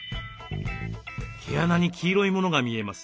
毛穴に黄色いものが見えます。